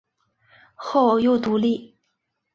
后又独立。